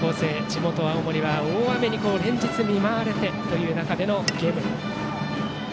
地元・青森は大雨に連日見舞われている中でのゲーム。